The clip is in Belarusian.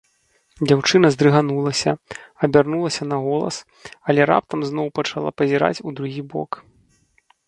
Дзяўчына здрыганулася, абярнулася на голас, але раптам зноў пачала пазіраць у другі бок.